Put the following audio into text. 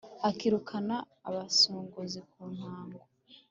Akirukana abasongozi ku ntango